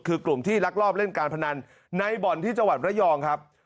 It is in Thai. คือกลุ่มที่ลักลอบเล่นการพนันในบ่อนที่จังหวัดระยองครับ